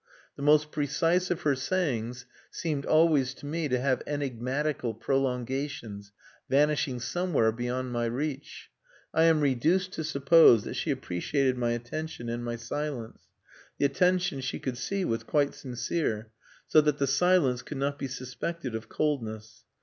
The most precise of her sayings seemed always to me to have enigmatical prolongations vanishing somewhere beyond my reach. I am reduced to suppose that she appreciated my attention and my silence. The attention she could see was quite sincere, so that the silence could not be suspected of coldness.